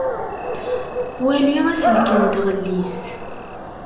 Wali aselkin n tɣellist.